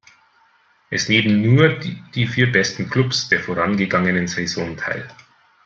Es nehmen nur die vier besten Clubs der vorangegangenen Saison teil.